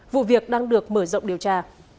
vụ việc đang được mở rộng điều tra